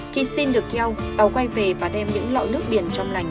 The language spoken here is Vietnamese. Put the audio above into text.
khi xin được keo tàu quay về và đem những lọ nước biển trong lành